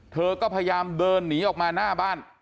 เธอก็พยายามเดินหนีออกมาหน้าบ้าน